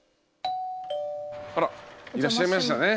あらいらっしゃいましたね。